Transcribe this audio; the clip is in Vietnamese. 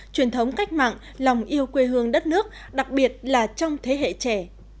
truyền thống cách mạng lòng yêu quê hương đất nước đặc biệt là trong thế hệ trẻ